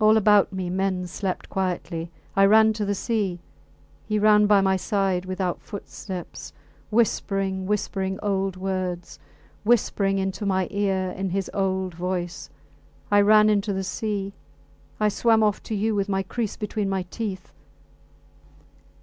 All about me men slept quietly. I ran to the sea. He ran by my side without footsteps, whispering, whispering old words whispering into my ear in his old voice. I ran into the sea; I swam off to you, with my kriss between my teeth.